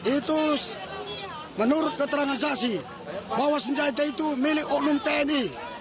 itu menurut keterangan saksi bahwa senjata itu milik oknum tni